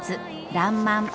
「らんまん」